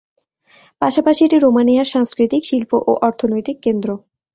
পাশাপাশি এটি রোমানিয়ার সাংস্কৃতিক, শিল্প ও অর্থনৈতিক কেন্দ্র।